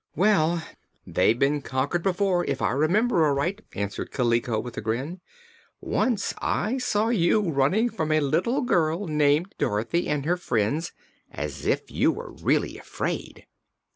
"Why, they've been conquered before, if I remember aright," answered Kaliko with a grin. "Once I saw you running from a little girl named Dorothy, and her friends, as if you were really afraid."